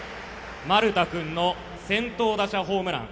丸田君の先頭打者ホームラン。